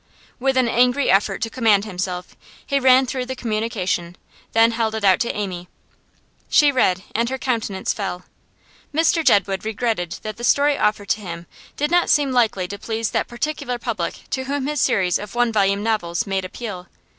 With an angry effort to command himself he ran through the communication, then held it out to Amy. She read, and her countenance fell. Mr Jedwood regretted that the story offered to him did not seem likely to please that particular public to whom his series of one volume novels made appeal.